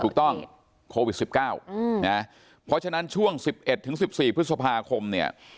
ถูกต้องโควิด๑๙นะเพราะฉะนั้นช่วง๑๑ถึง๑๔พฤษภาคมเนี่ย